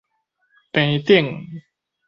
坪頂